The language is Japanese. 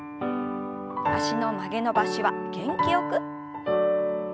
脚の曲げ伸ばしは元気よく。